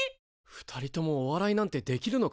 ２人ともお笑いなんてできるのか？